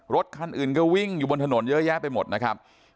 รถคันอื่นก็วิ่งอยู่บนถนนเยอะแยะไปหมดนะครับ